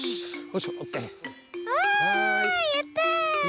あやった！